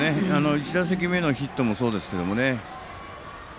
１打席目のヒットもそうですけど。